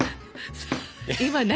今何？